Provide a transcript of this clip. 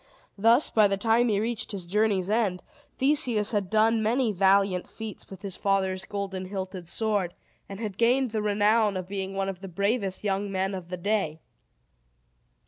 Thus, by the time he reached his journey's end, Theseus had done many valiant feats with his father's golden hilted sword, and had gained the renown of being one of the bravest young men of the day.